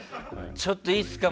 ちょっといいすか。